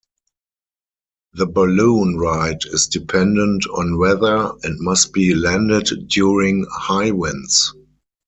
The balloon ride is dependent on weather and must be landed during high winds.